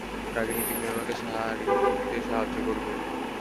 রাগিনী, তুমি আমাকে শাড়ি পরতে সাহায্য করবে?